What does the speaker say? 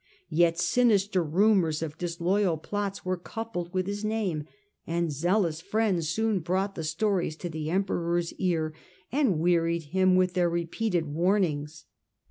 Yet sinister rumours of disloyal plots were coupled with his name, and zealous friends soon brought the stories to the Emperor's ear, and wearied him with their repeated warnings.